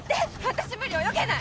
私無理泳げない！